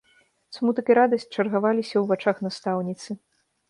Смутак і радасць чаргаваліся ў вачах настаўніцы.